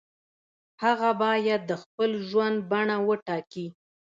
هغه باید د خپل ژوند بڼه وټاکي.